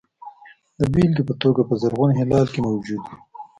د بېلګې په توګه په زرغون هلال کې موجود وو.